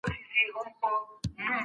فلسفه د نور نظریاتو د پوهنې لاره برابروي.